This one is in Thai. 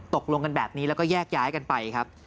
ตกลงกันแบบนี้แล้วก็แยกย้ายกันไปครับ